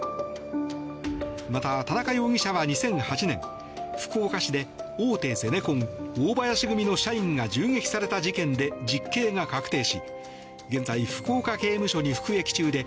また、田中容疑者は２００８年福岡市で大手ゼネコン、大林組の社員が銃撃された事件で実刑が確定し現在、福岡刑務所に服役中で